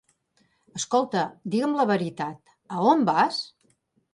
Escolta, diga-m la veritat: a on vas?